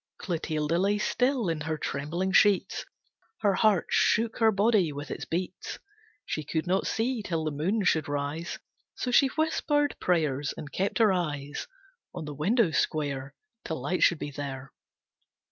Clotilde lay still in her trembling sheets. Her heart shook her body with its beats. She could not see till the moon should rise, So she whispered prayers and kept her eyes On the window square Till light should be there.